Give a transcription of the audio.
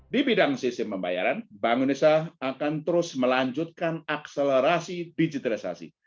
di bidang sistem pembayaran bank indonesia akan terus melanjutkan akselerasi digitalisasi